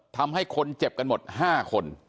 ทำให้คนเจ็บกันหมด๕คน